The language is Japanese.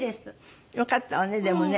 よかったわねでもね。